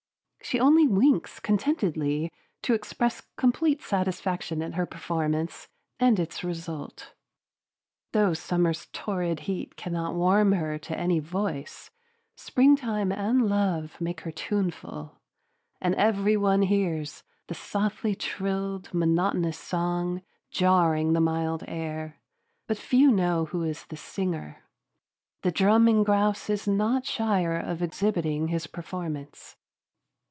She only winks contentedly to express complete satisfaction at her performance and its result. Though summer's torrid heat cannot warm her to any voice, springtime and love make her tuneful, and every one hears the softly trilled, monotonous song jarring the mild air, but few know who is the singer. The drumming grouse is not shyer of exhibiting his performance.